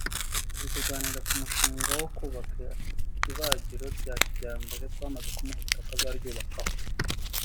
turi kuganira ku mushinga wo kubaka ibagiro rya kijyambere twamaze kumuha ubutaka azaryubakaho